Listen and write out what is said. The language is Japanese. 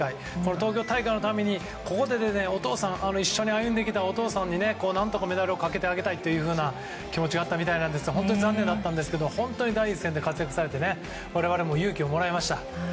東京大会にはここで、一緒に歩んできたお父さんに何とかメダルをかけてあげたいという思いがあったそうですが本当に残念だったんですが第一線で活躍されて我々も勇気をもらいました。